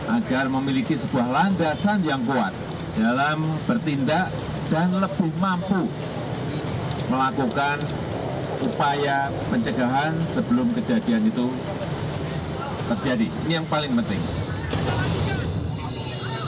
agar memiliki sebuah landasan yang kuat dalam bertindak dan lebih mampu melakukan upaya pencegahan sebelum kejadian itu terjadi ini yang paling penting